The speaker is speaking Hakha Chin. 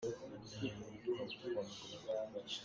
Kan zun kaa sip caan a sau tuk cang.